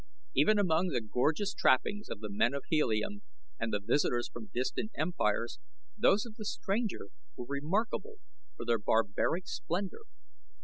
Even among the gorgeous trappings of the men of Helium and the visitors from distant empires those of the stranger were remarkable for their barbaric splendor.